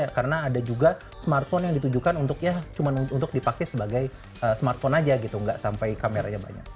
karena ada juga smartphone yang ditujukan untuk ya cuma untuk dipakai sebagai smartphone aja gitu nggak sampai kameranya banyak